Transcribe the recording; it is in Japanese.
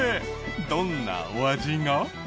どんなお味が？